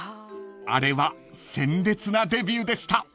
［あれは鮮烈なデビューでした］